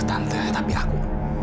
tante tapi aku